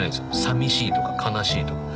さみしいとか悲しいとか。